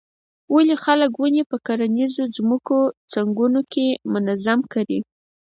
ولې خلک ونې په کرنیزو ځمکو څنګونو کې منظم کري.